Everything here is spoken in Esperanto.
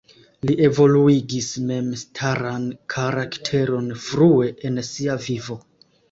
Li evoluigis memstaran karakteron frue en sia vivo.